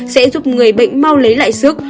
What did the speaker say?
sẽ giúp người bệnh mau lấy lại sức